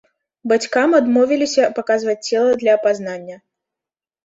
Бацькам адмовіліся паказваць цела для апазнання.